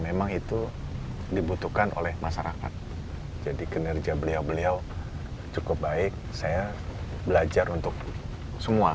memang itu dibutuhkan oleh masyarakat jadi kinerja beliau beliau cukup baik saya belajar untuk semua